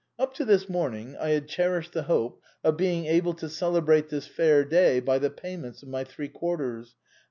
Up to this morning I had cherished the hope of being able to celebrate this fair day by the payment of my three quarters.